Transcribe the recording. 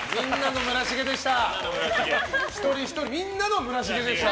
みんなの村重でした。